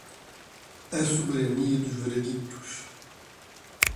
a soberania dos veredictos;